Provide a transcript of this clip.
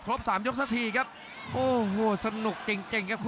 ดูภาพชายครับ